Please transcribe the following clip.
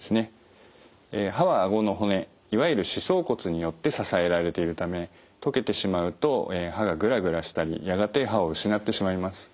歯はあごの骨いわゆる歯槽骨によって支えられているため溶けてしまうと歯がグラグラしたりやがて歯を失ってしまいます。